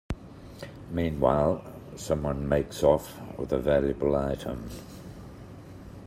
Meanwhile, someone makes off with a valuable item.